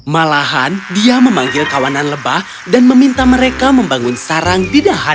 malahan dia memanggil kawanan lebah dan meminta mereka membangun sarang di dahaga